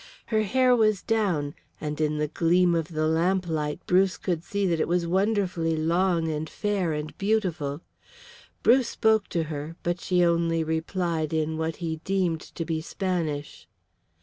Her hair was down, and in the gleam of the lamplight Bruce could see that it was wonderfully long and fair and beautiful. Bruce spoke to her, but she only replied in what he deemed to be Spanish.